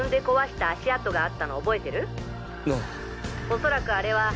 おそらくあれは。